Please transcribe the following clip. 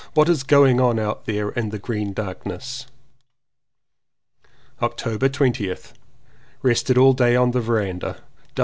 What is going on out there in the green darkness.^ October 20th. Rested all day on the verandah.